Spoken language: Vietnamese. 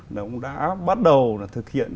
đó cũng đã bắt đầu là thực hiện